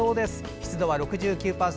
湿度は６９％。